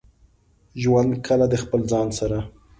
ژوند کله د خپل ځان سره.